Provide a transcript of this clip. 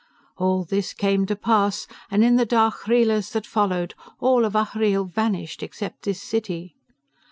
"All this came to pass, and in the dark Khreelas that followed, all of Ahhreel vanished except this city.